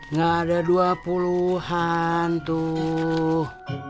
nggak ada dua puluh an tuh